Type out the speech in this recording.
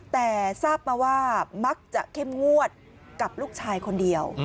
แต่ทราบมาว่ามักจะเข้มงวดกับลูกชายคนเดียว